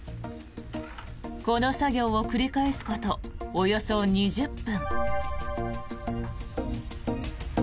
この作業を繰り返すことおよそ２０分。